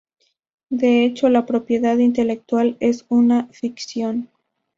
De hecho, la propiedad intelectual es una ficción.